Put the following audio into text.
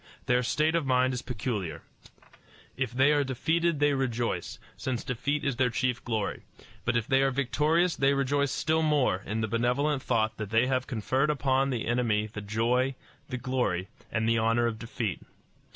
Their state of mind is peculiar. If they are defeated they rejoice, since defeat is their chief glory; but if they are victorious they rejoice still more in the benevolent thought that they have conferred upon the enemy the joy, the glory, and the honor of defeat.